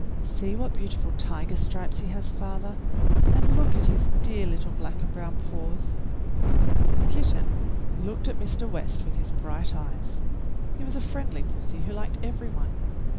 "See what beautiful tiger stripes he has, father, and look at his dear little black and brown paws." The kitten looked at Mr. West with his bright eyes. He was a friendly pussy who liked every one.